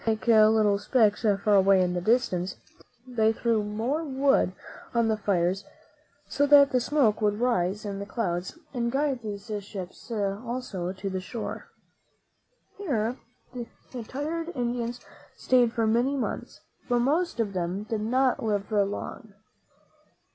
M ■<«<^~ boats appeared like little specks far away in the distance, they threw more wood on the fires so that the smoke would rise in clouds and guide these ships also to the shore. Here the tired Spaniards stayed for many months; but most of them did not live long.